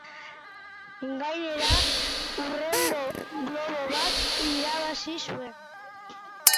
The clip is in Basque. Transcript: Gainera, urrezko globo bat irabazi zuen.